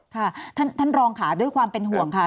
ค่ะท่านรองค่ะด้วยความเป็นห่วงค่ะ